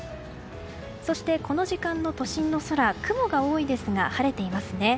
そして、この時間の都心の空雲が多いですが晴れていますね。